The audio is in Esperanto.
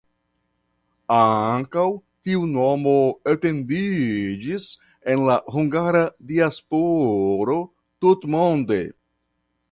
Ankaŭ tiu nomo etendiĝis en la hungara diasporo tutmonde.